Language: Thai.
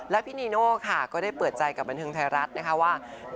และพี่นีโน่ค่ะก็ได้เปิดใจกับบันเทิงไทยรัฐนะคะว่า